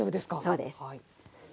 そうです。